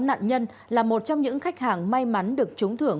nạn nhân là một trong những khách hàng may mắn được trúng thưởng